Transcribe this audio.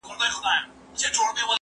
که وخت وي، واښه راوړم!